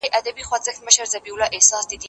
زه به سبا سبزیجات جمع کړم